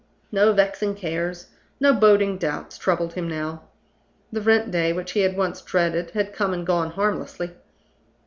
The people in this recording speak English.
No vexing cares, no boding doubts, troubled him now. The rent day, which he had once dreaded, had come and gone harmlessly.